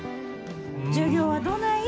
授業はどない？